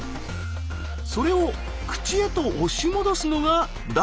それを口へと押し戻すのが第二の胃。